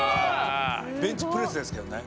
ベンチプレスですけどね。